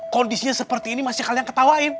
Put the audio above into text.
kondisinya seperti ini masih kalian ketawain